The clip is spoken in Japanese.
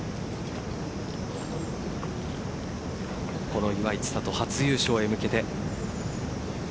この岩井千怜、初優勝へ向けて。